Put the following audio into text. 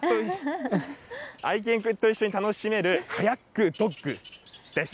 愛犬君と一緒に楽しめる、カヤックドッグです。